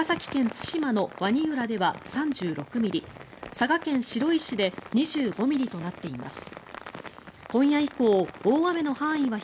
対馬の鰐浦では３６ミリ佐賀県白石で２５ミリとなっています。